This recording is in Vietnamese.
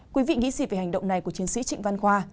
quý vị nghĩ gì về hành động này của chiến sĩ trịnh văn khoa